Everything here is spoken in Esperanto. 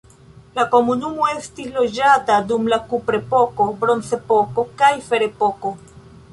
La komunumo estis loĝata dum la kuprepoko, bronzepoko, kaj ferepoko.